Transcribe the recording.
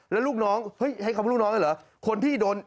และลูกน้องฮึยให้คำว่าลูกน้องนี่เหรอ